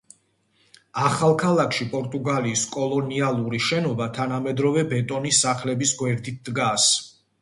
ახალ ქალაქში პორტუგალიის კოლონიალური შენობა თანამედროვე ბეტონის სახლების გვერდით დგას.